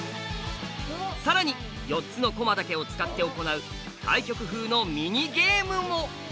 さらに４つの駒だけを使って行う対局風のミニゲームも。